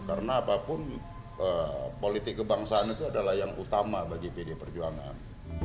karena apapun politik kebangsaan itu adalah yang utama bagi pdi perjuangan